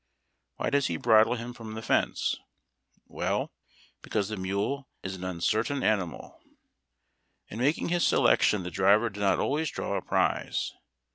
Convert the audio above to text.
Why does he bridle him from the fence ? Well, because the mule is an uncertain animal. In making his selection the driver did not always draw a prize.